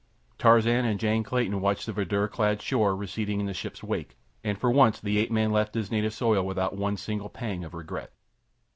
Tarzan and Jane Clayton watched the verdure clad shore line receding in the ship's wake, and for once the ape man left his native soil without one single pang of regret.